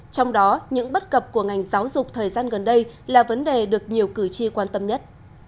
trong đó những bất cập của ngành giáo dục thời gian gần đây là vấn đề được nhiều cử tri quan tâm nhất